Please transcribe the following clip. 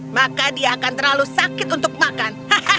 maka dia akan terlalu sakit untuk makan